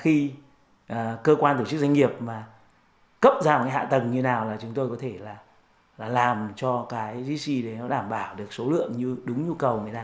như vậy bất kỳ là khi cơ quan tổ chức doanh nghiệp mà cấp ra một cái hạ tầng như nào là chúng tôi có thể là làm cho cái gc đảm bảo được số lượng đúng nhu cầu người ta